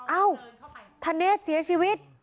เอ้าทันเนสเสียชีวิต